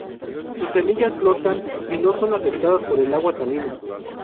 Sus semillas flotan y no son afectadas por el agua salina.